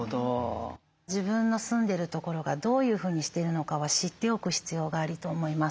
自分の住んでる所がどういうふうにしてるのかは知っておく必要があると思います。